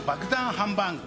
ハンバーグ。